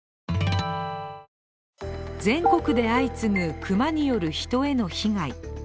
全国で相次ぐ熊による人への被害。